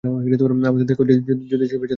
আমাদের দেখা উচিত যদি সে বেঁচে থাকে।